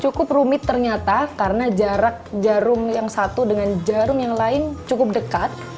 cukup rumit ternyata karena jarak jarum yang satu dengan jarum yang lain cukup dekat